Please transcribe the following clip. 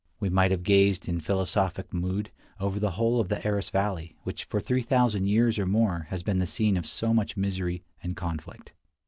We might have gazed, in philosophic mood, over the whole of the Aras valley, which for 3000 years or more has been the scene of so much misery and conflict.